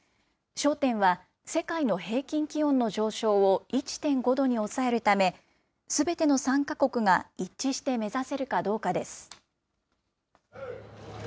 焦点は世界の平均気温の上昇を１．５度に抑えるため、すべての参加国が一致して目指せるかどうかです。